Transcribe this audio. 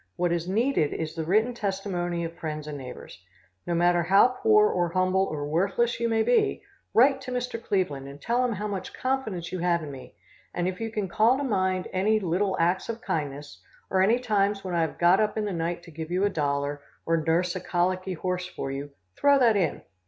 What is needed is the written testimony of friends and neighbors. No matter how poor or humble or worthless you may be, write to Mr. Cleveland and tell him how much confidence you have in me, and if you can call to mind any little acts of kindness, or any times when I have got up in the night to give you a dollar, or nurse a colicky horse for you, throw that in.